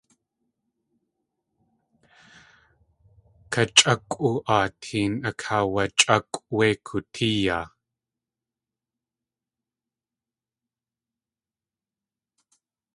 Kachʼákʼwaa teen akaawachʼákʼw wé kootéeyaa.